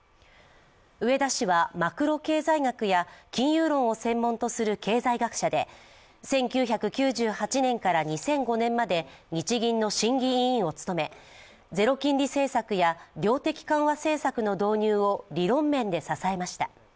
植田氏はマクロ経済学や金融論を専門とする経済学者で１９９８年から２００５年まで日銀の審議委員を務めゼロ金利政策や量的緩和政策の導入を理論面で支えました。